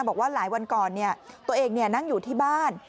บอกว่าหลายวันก่อนตัวเองนั่งอยู่ที่บ้าน